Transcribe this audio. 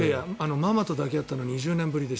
ママと抱き合ったのは２０年ぶりです。